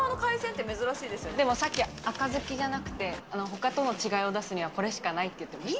でもさっき、赤好きじゃなくて他との違いを出すには、これしかないって言ってました。